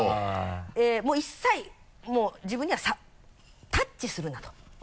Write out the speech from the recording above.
もう一切自分にはタッチするなと。